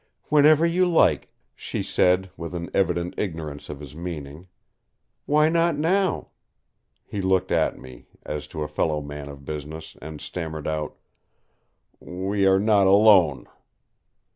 "Whenever you like," she said, with an evident ignorance of his meaning. "Why not now?" He looked at me, as to a fellow man of business, and stammered out: "We are not alone."